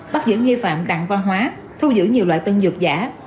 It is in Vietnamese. bắt giữ nghi phạm đặng văn hóa thu giữ nhiều loại tân dược giả